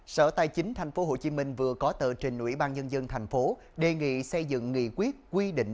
sở tài chính tp hcm vừa có tờ trình ubnd tp hcm đề nghị xây dựng nghị quyết quy định